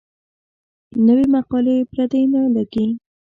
نوې مقولې پردۍ نه لګي.